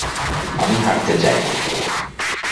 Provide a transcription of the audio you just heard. আমি হাঁটতে চাই না।